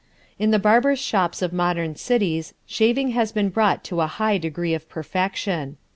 In the barbers' shops of modern cities shaving has been brought to a high degree of perfection.